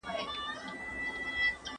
نن مي د خپل کلي په غر کښې شپه ده